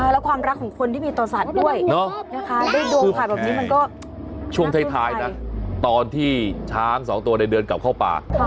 แล้วความรักของคนที่มีต่อสัตว์ด้วยนะคะได้ดวงผ่านแบบนี้มันก็ช่วงท้ายนะตอนที่ช้างสองตัวเดินกลับเข้าป่า